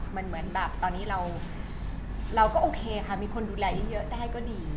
มันเหมือนแบบตอนนี้เราก็โอเคค่ะมีคนดูแลเยอะได้ก็ดี